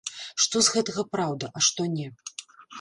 Што з гэтага праўда, а што не?